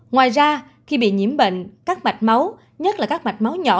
ngoài ra khi bị nhiễm bệnh các mạch máu nhất là các mạch máu nhỏ